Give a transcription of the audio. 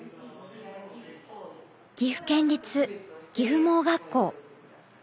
岐阜県立岐阜盲学校。